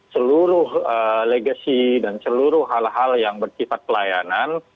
seluruh legacy dan seluruh hal hal yang bersifat pelayanan